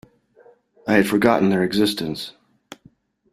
I had forgotten their existence.